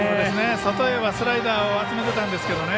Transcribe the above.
外へはスライダーを集めていたんですがね